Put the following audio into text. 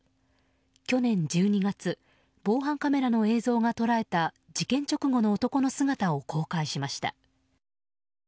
去年１２月防犯カメラの映像が捉えた事件直後の男の姿を公開しました。